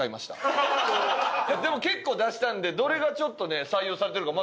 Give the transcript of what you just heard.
でも結構出したんでどれがちょっとね採用されてるか